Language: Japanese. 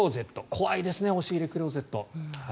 怖いですね押し入れ・クローゼット。